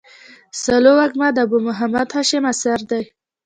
سالو وږمه د ابو محمد هاشم اثر دﺉ.